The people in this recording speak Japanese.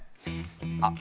あっ！